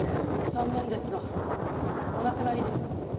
残念ですがお亡くなりです。